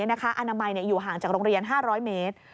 อนามัยอยู่ห่างจากโรงเรียน๕๐๐เมตร